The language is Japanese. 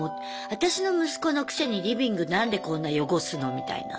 私の息子のくせにリビング何でこんな汚すのみたいな。